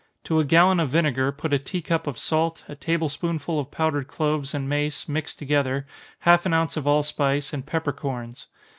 To a gallon of vinegar put a tea cup of salt, a table spoonful of powdered cloves and mace, mixed together, half an ounce of allspice, and peppercorns.